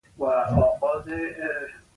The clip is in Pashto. وجدان د حق او باطل تر منځ لار ښيي.